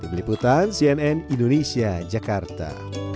dibeliputan cnn indonesia jakarta